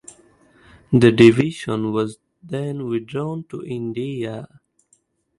The division was then withdrawn to India.